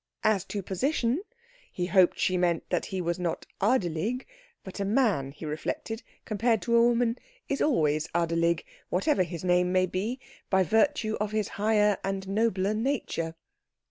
As to position, he supposed she meant that he was not adelig; but a man, he reflected, compared to a woman, is always adelig, whatever his name may be, by virtue of his higher and nobler nature.